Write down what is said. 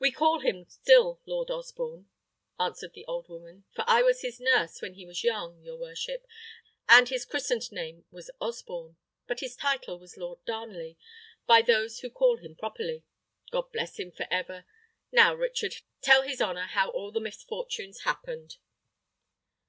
"We call him still Lord Osborne," answered the old woman, "for I was his nurse, when he was young, your worship, and his christened name was Osborne. But his title was Lord Darnley, by those who called him properly. God bless him for ever! Now, Richard, tell his honour how all the misfortunes happened."